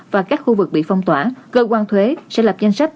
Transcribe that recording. và các khu vực bị phong tỏa cơ quan thuế sẽ lập danh sách